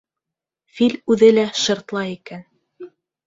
Фил үҙе лә шыртлай икән.